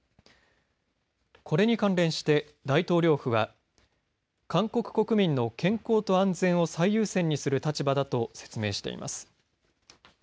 これに関連して大統領府は韓国国民の健康と安全を最優先にする立場だと説明しています。